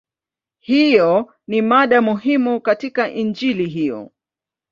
Hiyo ni mada muhimu katika Injili hiyo.